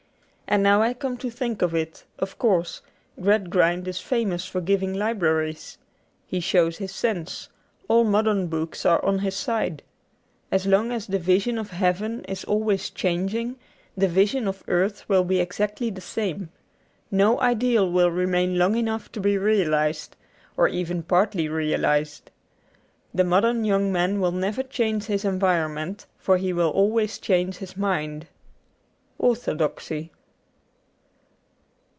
And now I come to think of it, of course, Gradgrind is famous for giving libraries. He shows his sense : all modern books are on his side. As long as the vision of heaven is always changing, the vision of earth will be exactly the same. No ideal will remain long enough to be realized, or even partly realized. The modern young man will never change his environment, for he will always change his mind. 'Orthodoxy.'